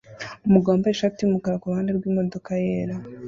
umugabo wambaye ishati yumukara kuruhande rwimodoka yera